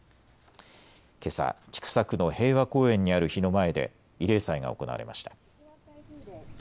けさ、千種区の平和公園にある碑の前で慰霊祭が行われました。